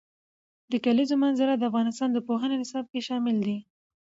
د کلیزو منظره د افغانستان د پوهنې نصاب کې شامل دي.